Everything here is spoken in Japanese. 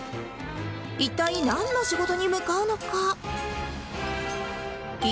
一体なんの仕事に向かうのか？